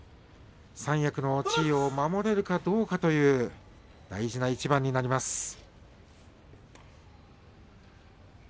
三役の地位を守れるかどうかという大事な一番です。